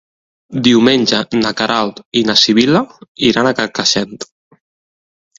Diumenge na Queralt i na Sibil·la iran a Carcaixent.